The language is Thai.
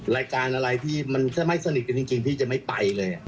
รายการอะไรที่มันถ้าไม่สนิทกันจริงพี่จะไม่ไปเลย